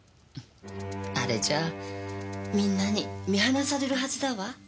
あれじゃあみんなに見放されるはずだわ。